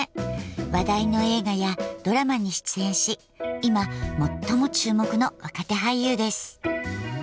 話題の映画やドラマに出演し今最も注目の若手俳優です。